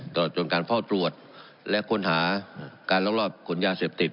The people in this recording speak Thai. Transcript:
ตลอดจนการเฝ้าตรวจและค้นหาการรอบขนยาเสพติด